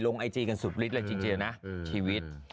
ไอจีกันสุดฤทธิเลยจริงนะชีวิต